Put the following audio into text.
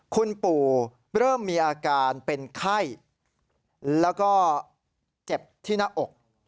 คุณปู่เริ่มมีอาการเป็นไข้แล้วก็เจ็บที่หน้าอก